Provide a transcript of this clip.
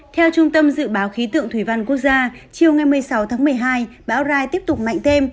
theo trung tâm dự báo khí tượng thủy văn quốc gia chiều ngày một mươi sáu tháng một mươi hai bão rai tiếp tục mạnh thêm